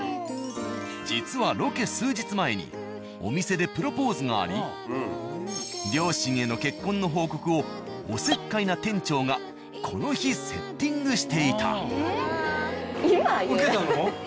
実はロケ数日前にお店でプロポーズがあり両親への結婚の報告をおせっかいな店長がこの日セッティングしていた。